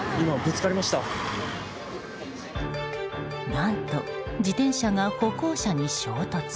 何と自転車が歩行者に衝突。